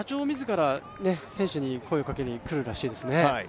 社長自ら、選手に声をかけにくるらしいですね。